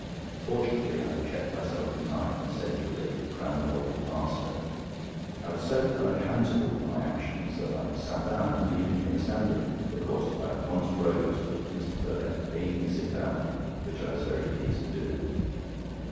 Fortunately I checked myself in time, and said he was a "grand old master." I was so unaccountable for my actions that I sat down, leaving him standing. Of course, I at once rose, but Mr. Perkupp bade me sit down, which I was very pleased to do.